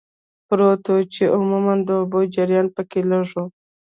پروت و، چې عموماً د اوبو جریان پکې لږ و.